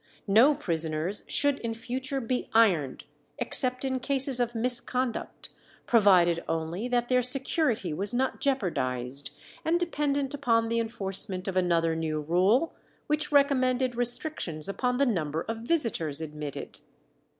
No prisoners should in future be ironed, except in cases of misconduct, provided only that their security was not jeopardized, and dependent upon the enforcement of another new rule, which recommended restrictions upon the number of visitors admitted.